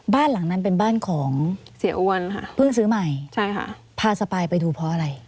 บ้านหลังนั้นเป็นบ้านของเสียอ้วนค่ะเพิ่งซื้อใหม่ใช่ค่ะพาสปายไปดูเพราะอะไร